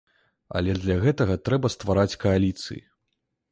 Але для гэтага трэба ствараць кааліцыі.